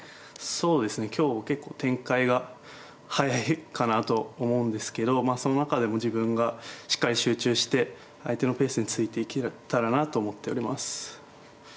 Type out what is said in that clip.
そうですね今日は結構展開が速いかなと思うんですけどその中でも自分がしっかり集中して相手のペースについていけたらなと思っております。